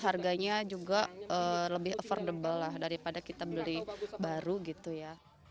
harganya juga lebih affordable lah daripada kita beli baru gitu ya